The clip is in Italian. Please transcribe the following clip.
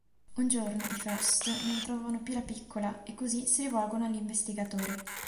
Un giorno, i Frost non trovano più la piccola e così si rivolgono all'investigatore.